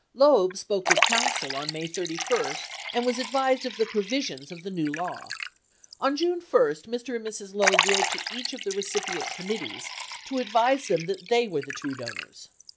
Loeb spoke with counsel on May 31 and was ad vised of the provisions of the new law. On June 1, Mr. and Mrs. Loeb wrote to each of the recipient committees to advise them that they were the true donors.